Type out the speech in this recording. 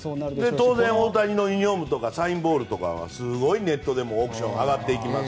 当然大谷のユニホームとかサインボールはすごいオークションで上がっていきます